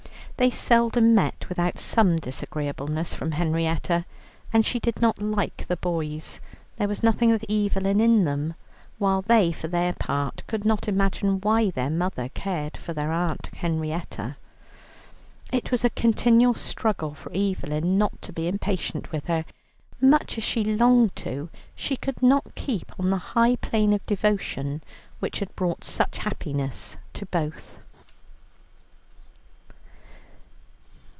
They seldom met without some disagreeableness from Henrietta, and she did not like the boys, there was nothing of Evelyn in them, while they for their part could not imagine why their mother cared for their aunt Henrietta. It was a continual struggle for Evelyn not to be impatient with her; much as she longed to, she could not keep on the high plane of devotion, which had brought such happiness to both.